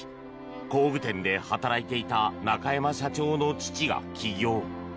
工具店で働いていた中山社長の父が起業。